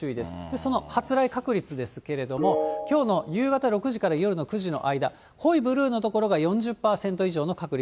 その発雷確率ですけれども、きょうの夕方６時から夜の９時の間、濃いブルーの所が４０％以上の確率。